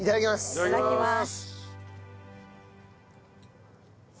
いただきます。